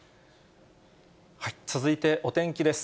続いて、お天気です。